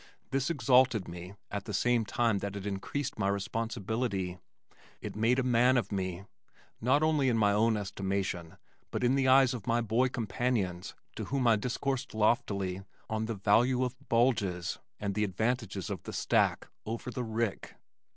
This exalted me at the same time that it increased my responsibility. It made a man of me not only in my own estimation, but in the eyes of my boy companions to whom I discoursed loftily on the value of "bulges" and the advantages of the stack over the rick.